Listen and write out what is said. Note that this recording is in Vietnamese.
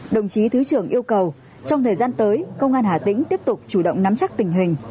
đồng chí thứ trưởng yêu cầu trong thời gian tới công an hà tĩnh tiếp tục chủ động nắm chắc tình hình